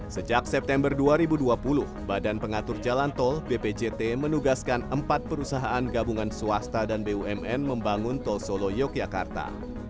sejak september dua ribu dua puluh badan pengatur jalan tol bpjt menugaskan empat perusahaan gabungan swasta dan bumn membangun tol solo yogyakarta